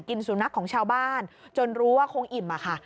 สุนัขของชาวบ้านจนรู้ว่าคงอิ่มอะค่ะ